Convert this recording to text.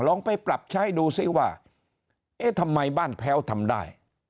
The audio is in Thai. ลองไปปรับใช้ดูซิว่าเอ๊ะทำไมบ้านแพ้วทำได้